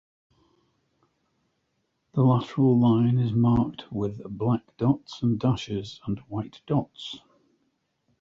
The lateral line is marked with black dots and dashes and with white dots.